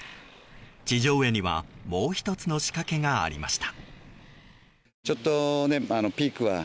地上絵にはもう１つの仕掛けがありました。